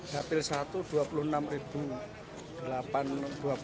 kami juga mencari beberapa kekurangan